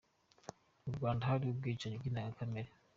Murwanda hari ubwicanyi bw’indengakamere.